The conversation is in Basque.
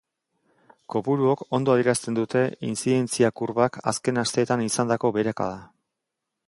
Kopuruok ondo adierazten dute intzidentzia kurbak azken asteetan izandako beherakada.